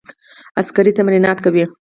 عسکري تمرینات کوي.